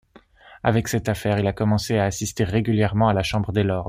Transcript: Avec cette affaire, il a commencé à assister régulièrement à la Chambre des Lords.